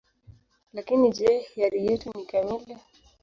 Lakini je, hiari yetu ni kamili?